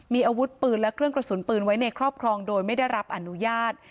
มีอาวุธปืนและเครื่องกระสุนปืนไว้ในครอบครองโดยไม่ได้รับอนุญาต